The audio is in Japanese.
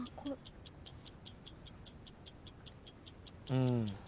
うん。